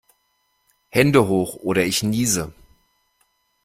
Hände hoch oder ich niese!